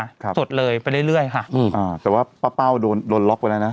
สดเลยไปเรื่อยเรื่อยค่ะอืมอ่าแต่ว่าป้าเป้าโดนโดนล็อกไปแล้วนะ